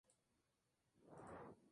Habita en Paraguay.